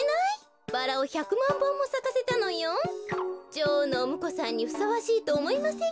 女王のおむこさんにふさわしいとおもいません